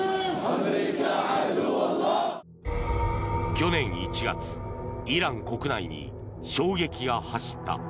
去年１月、イラン国内に衝撃が走った。